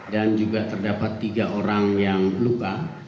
dan juga terdapat tiga orang yang luka